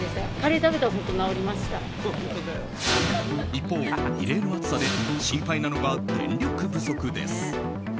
一方、異例の暑さで心配なのが電力不足です。